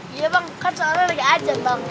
iya bang kan soalnya lagi aja bang